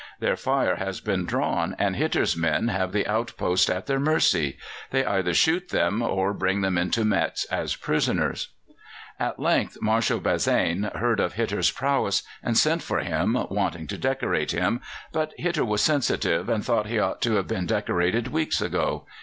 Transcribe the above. Their fire has been drawn, and Hitter's men have the outpost at their mercy. They either shoot them or bring them into Metz as prisoners. At length Marshal Bazaine heard of Hitter's prowess, and sent for him, wanting to decorate him; but Hitter was sensitive, and thought he ought to have been decorated weeks ago.